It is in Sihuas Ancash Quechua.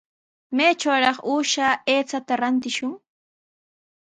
¿Maytrawraq uusha aychata rantishwan?